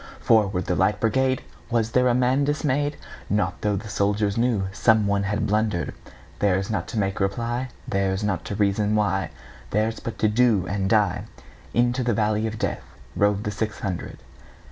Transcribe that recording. "Forward, the Light Brigade!"Was there a man dismay'd? Not tho' the soldier knewSome one had blunder'd:Theirs not to make reply, Theirs not to reason why, Theirs but to do and die:Into the valley of DeathRode the six hundred.